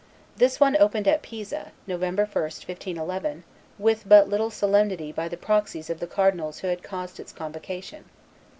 ... This one was opened at Pisa (November 1, 1511) with but little solemnity by the proxies of the cardinals who had caused its convocation.